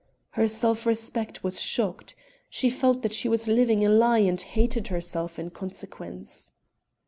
Her self respect was shocked. She felt that she was living a lie and hated herself in consequence.